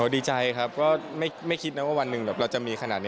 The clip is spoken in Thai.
ดีใจครับก็ไม่คิดนะว่าวันหนึ่งแบบเราจะมีขนาดนี้